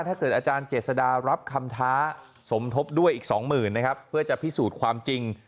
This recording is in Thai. อาจารย์เจษดารับคำท้าสมทบด้วยอีกสองหมื่นนะครับเพื่อจะพิสูจน์ความจริง